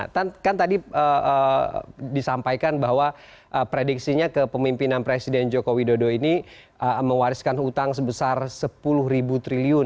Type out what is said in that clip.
kan tadi disampaikan bahwa prediksinya kepemimpinan presiden joko widodo ini mewariskan hutang sebesar sepuluh ribu triliun